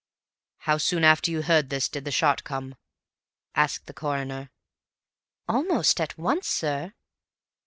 "How soon after you had heard this did the shot come?" asked the Coroner. "Almost at once, sir."